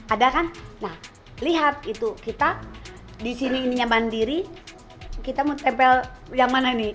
ada kan nah lihat itu kita di sini ininya mandiri kita mau tempel yang mana nih